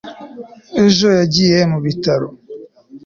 ejo yagiye mu bitaro